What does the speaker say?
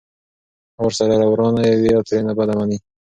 او ورسره ورانه یې وي او ترېنه بده مني!